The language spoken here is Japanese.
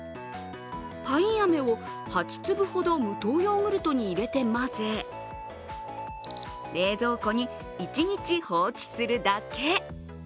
パインアメを８粒ほど無糖ヨーグルトに入れて混ぜ冷蔵庫に一日放置するだけ。